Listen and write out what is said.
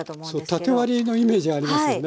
そう縦割りのイメージありますよね。